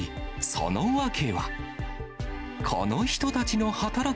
その訳は。